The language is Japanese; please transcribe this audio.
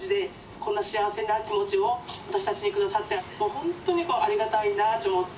こんな幸せな気持ちを私たちに下さってほんとにありがたいなぁっち思って。